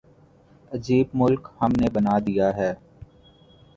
عجیب ملک ہم نے بنا دیا ہے۔